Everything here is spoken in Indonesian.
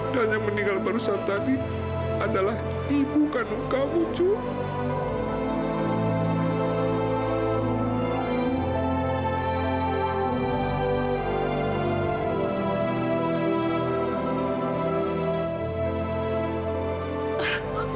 dan yang meninggal baru saat tadi adalah ibu kandung kamu jules